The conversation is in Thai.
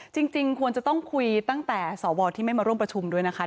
จริงควรจะต้องคุยตั้งแต่สวที่ไม่มาร่วมประชุมด้วยนะคะ